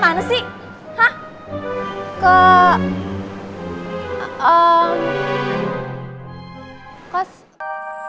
satu yang pasti